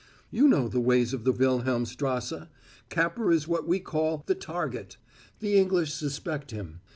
"You know the ways of the Wilhelmstrasse. Capper is what we call 'the target.' The English suspect him.